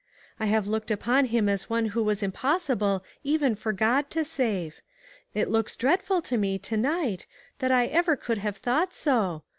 I have looked upon him as one who was impossible even for God to save. It looks dreadful to me, to night, that I ever could have thought so.